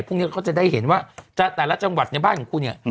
พวกนี้เขาจะได้เห็นว่าแต่ละจังหวัดในบ้านของคุณเนี่ย